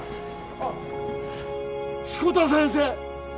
あっ志子田先生！？